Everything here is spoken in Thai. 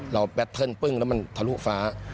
แบตเทิร์นปึ้งแล้วมันทะลุฟ้า